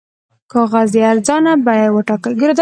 کاغذ یې ارزان بیه وټاکئ.